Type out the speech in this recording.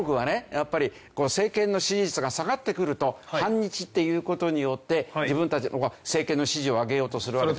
やっぱり政権の支持率が下がってくると反日っていう事によって自分たちの政権の支持を上げようとするわけでしょ。